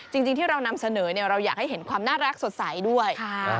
จริงที่เรานำเสนอเราอยากให้เห็นความน่ารักสดใสด้วย